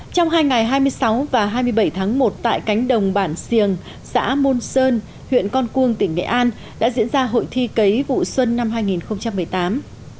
trong hai ngày hai mươi sáu và hai mươi bảy tháng một tại cánh đồng bản siềng xã môn sơn huyện con cuông tỉnh nghệ an đã diễn ra hội thi cấy vụ xuân năm hai nghìn một mươi tám